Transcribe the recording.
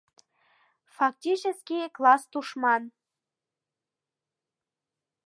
Фактически класс тушман!